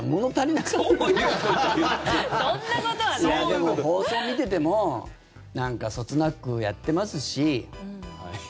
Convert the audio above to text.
でも、放送見ててもそつなくやってますし。